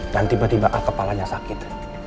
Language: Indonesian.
dan tiba tiba al kepalanya sakit